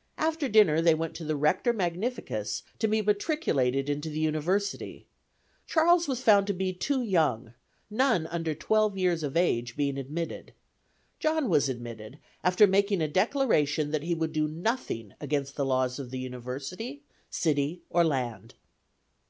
... After dinner they went to the Rector Magnificus to be matriculated into the University; Charles was found to be too young, none under twelve years of age being admitted; John was admitted after making a declaration that he would do nothing against the laws of the university, city, or land."